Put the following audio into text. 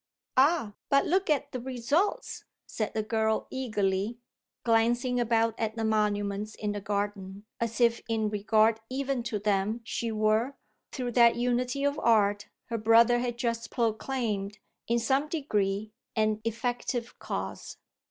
"Ah but look at the results!" said the girl eagerly glancing about at the monuments in the garden as if in regard even to them she were, through that unity of art her brother had just proclaimed, in some degree an effective cause.